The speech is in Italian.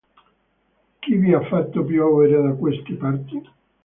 Chi vi ha fatto piovere da queste parti?